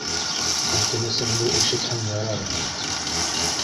Үтенесемде ишетһәң ярар ине.